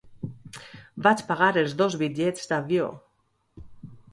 Vaig pagar els dos bitllets d'avió.